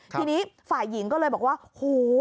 ทีนี้ฝ่ายหญิงก็เลยบอกว่าโห